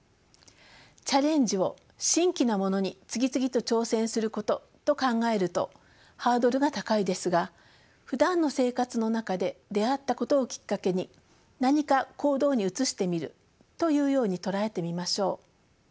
チャレンジを新奇なものに次々と挑戦することと考えるとハードルが高いですがふだんの生活の中で出会ったことをきっかけに何か行動に移してみるというように捉えてみましょう。